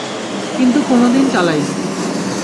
কিন্তু কোনদিন চালাইনি।